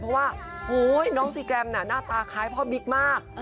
เพราะว่าน้องซีแกรมน่ะหน้าตาคล้ายพ่อบิ๊กมาก